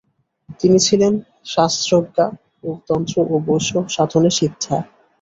তিনি ছিলেন শাস্ত্রজ্ঞা ও তন্ত্র ও বৈষ্ণব সাধনে সিদ্ধা।